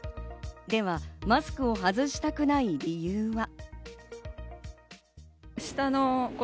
ではマスクを外したくない理由は。